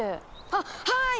あっはい！